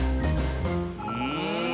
うん？